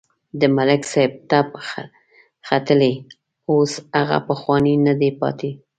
د ملک صاحب تپ ختلی اوس هغه پخوانی نه دی پاتې.